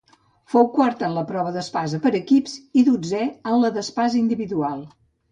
Fou quart en la prova d'espasa per equips i dotzè en la d'espasa individual.